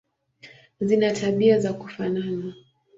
Zina tabia za kufanana.